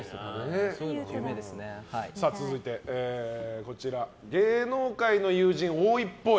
続いて、芸能界の友人多いっぽい。